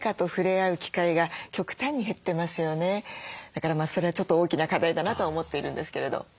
だからそれはちょっと大きな課題だなと思っているんですけれど。